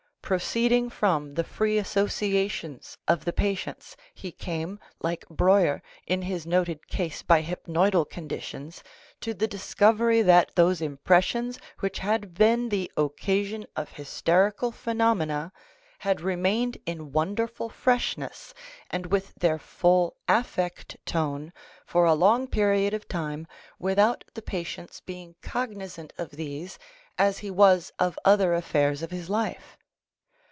iProceeding from the free associations of the patients, he came, like Breuer in. his noted case by hypnoidal conditions, to the discovery that those impressions which had been the occasion of hysterical phenomena had remained in wonderful freshness and with their full affect tone for a long period of time without the patient's being cognizant of these as he was of other affairs of his life.